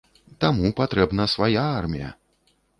Таму патрэбна свая армія.